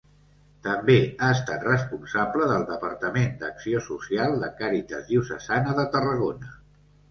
També ha estat responsable del departament d'acció social de Càritas diocesana de Tarragona.